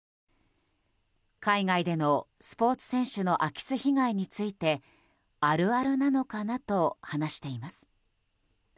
海外でのスポーツ選手の空き巣被害についてあるあるなのかなと話しています。